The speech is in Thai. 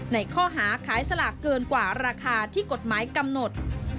ในข้อหาขายสลากเกินกว่าราคาที่กฎหมายกำหนด